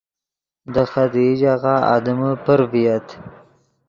دے خدیئی ژاغہ آدمے پر ڤییت